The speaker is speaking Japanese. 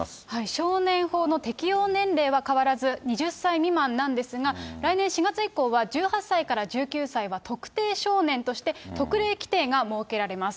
少年法の適用年齢は変わらず、２０歳未満なんですが、来年４月以降は、１８歳から１９歳は特定少年として特例規定が設けられます。